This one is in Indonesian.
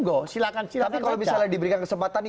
tapi kalau misalnya diberikan kesempatan nih